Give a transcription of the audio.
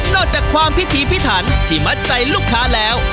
จากความพิถีพิถันที่มัดใจลูกค้าแล้ว